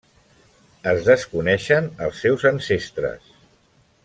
Es desconeixen els seus ancestres.